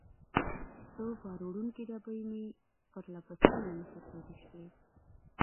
څو بار وړونکې ډبې مې پرله پسې له مخې تېرې شوې.